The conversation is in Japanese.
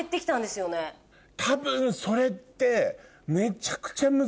多分それって。